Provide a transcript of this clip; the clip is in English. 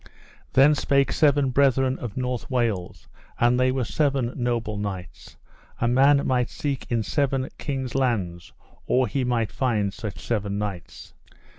Then spake seven brethren of North Wales, and they were seven noble knights; a man might seek in seven kings' lands or he might find such seven knights.